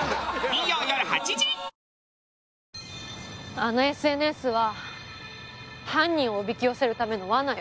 あのＳＮＳは犯人をおびき寄せるための罠よ。